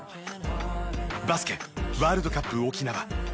バスケワールドカップ沖縄